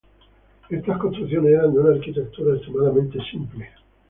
Estas construcciones eran de una arquitectura extremadamente simple.